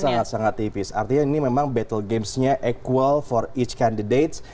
sangat sangat tipis artinya ini memang battle gamesnya equal for each candidate